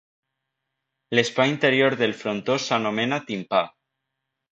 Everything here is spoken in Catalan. L'espai interior del frontó s'anomena timpà.